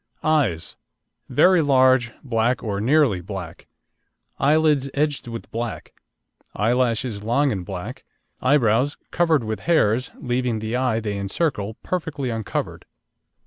EYES Very large, black, or nearly black; eyelids edged with black, eyelashes long and black, eyebrows covered with hairs, leaving the eye they encircle perfectly uncovered.